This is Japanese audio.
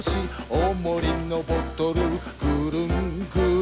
「おもりのボトルぐるんぐるん」